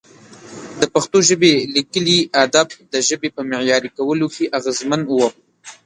د پښتو ژبې لیکلي ادب د ژبې په معیاري کولو کې اغېزمن و.